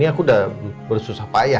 ini aku udah bersusah payah